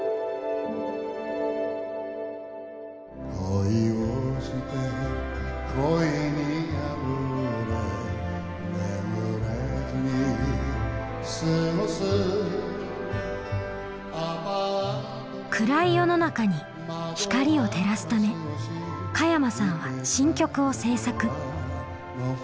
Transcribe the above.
「恋をして恋に破れ眠れずに過ごす」「アパートの」暗い世の中に光を照らすため加山さんは新曲を制作。